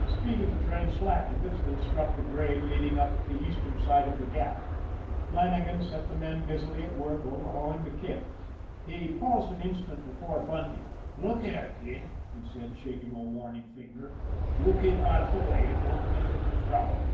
The speed of the train slackened as they struck the grade leading up the eastern side of the Gap. Flanna gan set the men busily at work overhauling the kit. He paused an instant before Bunty. " Look here, kid/' he said, shaking a warning finger, " you keep out of the way, and don't get into trouble."